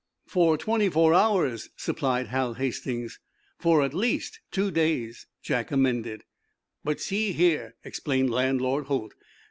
"For twenty four hours," supplied Hal Hastings. "For at least two days," Jack amended. "But, see here," explained Landlord Holt.